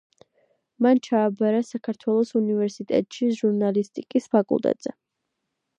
მან ჩააბარა საქართველოს უნივერსიტეტში ჟურნალისტიკის ფაკულტეტზე.